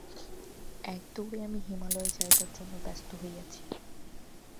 এক দৌড়ে আমি হিমালয়ে যাইবার জন্য ব্যস্ত হইয়াছি।